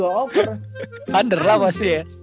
under lah pasti ya